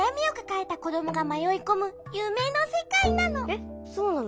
えっそうなの？